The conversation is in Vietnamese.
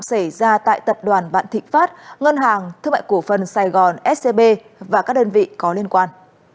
xảy ra tại tập đoàn vạn thịnh pháp ngân hàng thương mại cổ phần sài gòn scb và các đơn vị có liên quan